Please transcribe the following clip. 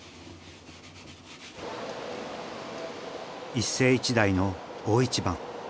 一世一代の大一番。